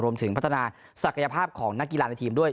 รวมถึงพัฒนาศักยภาพของนักกีฬาในทีมด้วย